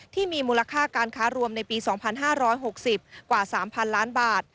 ที่มีมูลค่าการค้ารวมในปี๒๕๖๐กว่า๓๐๐๐ล้านบาท